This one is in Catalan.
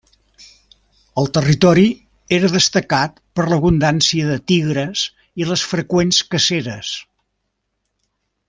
El territori era destacat per l'abundància de tigres i les freqüents caceres.